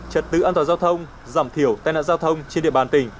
trật tự an toàn giao thông giảm thiểu tai nạn giao thông trên địa bàn tỉnh